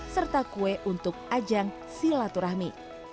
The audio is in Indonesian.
serta kue untuk ajang silaturahmi